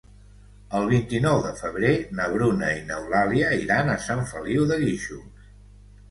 El vint-i-nou de febrer na Bruna i n'Eulàlia iran a Sant Feliu de Guíxols.